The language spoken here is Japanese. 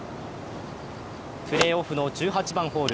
プレーオフの１８番ホール。